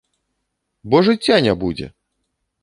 Бо жыцця не будзе!